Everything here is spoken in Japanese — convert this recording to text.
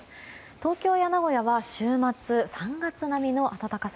東京や名古屋は週末３月並みの暖かさ。